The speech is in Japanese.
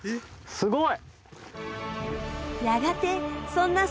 すごい！